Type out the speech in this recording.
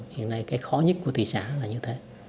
hiện nay cái khó nhất của thị xã là như thế